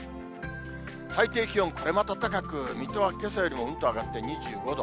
最低気温これまた高く、水戸はけさよりもうんと上がって２５度。